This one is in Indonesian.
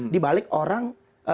di balik orang